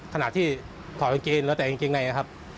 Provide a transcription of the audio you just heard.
ขณะที่ถอดกางเกงแล้วแต่กางเกงในนะครับ